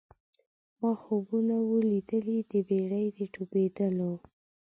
ما خوبونه وه لیدلي د بېړۍ د ډوبېدلو